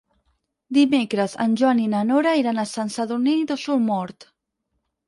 Dimecres en Joan i na Nora iran a Sant Sadurní d'Osormort.